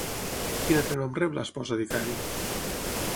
Quin altre nom rep l'esposa d'Icari?